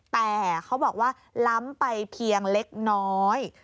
แต่เขาบอกว่าล้ำไปเพียงเล็กน้อย